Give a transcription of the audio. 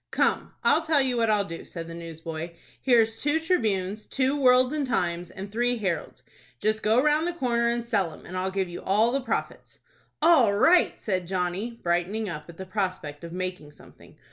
"Come, I'll tell you what I'll do," said the newsboy. "Here's two 'Tribunes,' two 'Worlds' and 'Times' and three 'Heralds.' Just go round the corner, and sell 'em, and I'll give you all the profits." "All right!" said Johnny, brightening up at the prospect of making something.